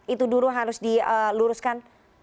itu dulu harus diluruskan